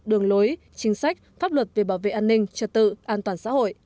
đường lối chính sách pháp luật về bảo vệ an ninh trật tự an toàn xã hội